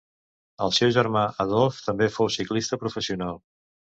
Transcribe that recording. El seu germà Adolf també fou ciclista professional.